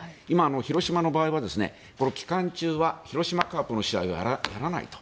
広島の場合は期間中は広島カープの試合はやらないと。